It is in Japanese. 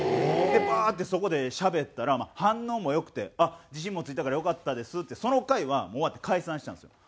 でバーッてそこでしゃべったら反応も良くて自信もついたからよかったですってその会はもう終わって解散したんですよ。